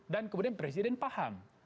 dan kemudian presiden paham